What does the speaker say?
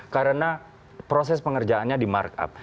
karena proses pengerjaannya di mark up